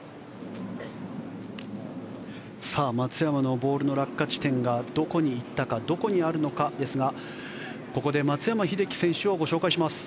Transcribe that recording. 松山のボールの落下地点がどこに行ったかどこにあるのかですがここで松山英樹選手をご紹介します。